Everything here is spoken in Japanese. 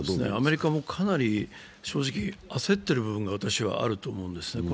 アメリカもかなり焦ってる部分があると私は思うんですよ。